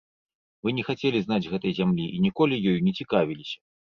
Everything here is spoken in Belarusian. Вы не хацелі знаць гэтай зямлі і ніколі ёю не цікавіліся.